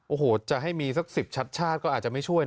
โอ้โฮจะให้มีสักสิบชัดก็อาจจะไม่ช่วยนะ